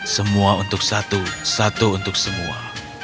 semua untuk satu satu untuk semua